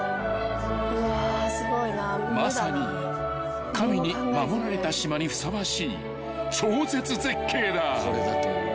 ［まさに神に守られた島にふさわしい超絶絶景だ］